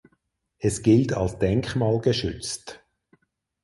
Es gilt als denkmalgeschützt.